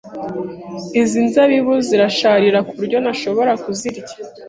Izi nzabibu zirasharira kuburyo ntashobora kuzirya.